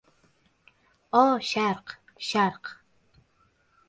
O, Sharq, Sharq!"